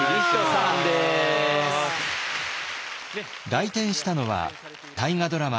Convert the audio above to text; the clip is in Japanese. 来店したのは大河ドラマ